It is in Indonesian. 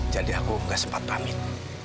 jadi aku gak sempat pamit